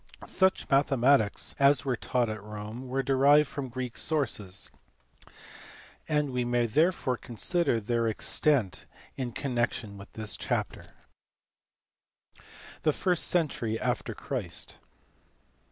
Such mathematics as were taught at Rome were derived from Greek sources, and we may therefore conveniently consider their extent in connection with this chapter. The first century after Christ.